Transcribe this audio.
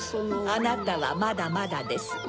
あなたはまだまだです。